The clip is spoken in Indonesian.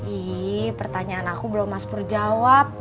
ih pertanyaan aku belum mas pur jawab